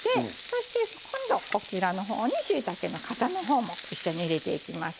そして今度こちらのほうにしいたけのかさのほうも一緒に入れていきますよ。